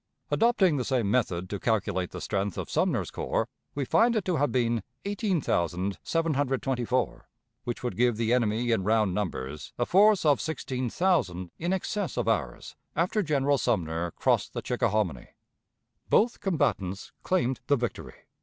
Adopting the same method to calculate the strength of Sumner's corps, we find it to have been 18,724, which would give the enemy in round numbers a force of 16,000 in excess of ours after General Sumner crossed the Chickahominy. Both combatants claimed the victory.